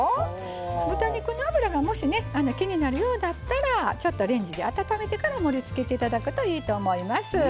豚肉の脂が気になるようだったらちょっとレンジで温めてから盛りつけていただくといいと思います。